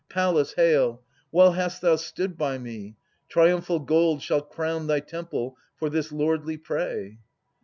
Pallas, hail! Well hast thou stood by me. Triumphal gold Shall crown thy temple for this lordly prey.